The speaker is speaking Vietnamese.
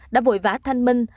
đã vội vã thanh minh